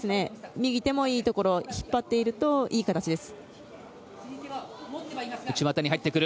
右手もいいところ引っ張っているといい形です。